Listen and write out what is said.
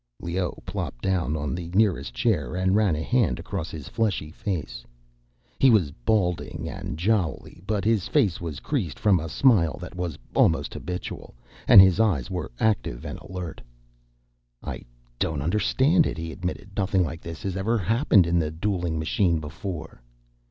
Leoh plopped down in the nearest chair and ran a hand across his fleshy face. He was balding and jowly, but his face was creased from a smile that was almost habitual, and his eyes were active and alert. "I don't understand it," he admitted. "Nothing like this has ever happened in a dueling machine before."